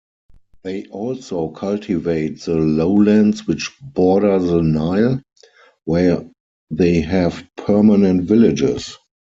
They also cultivate the lowlands which border the Nile, where they have permanent villages.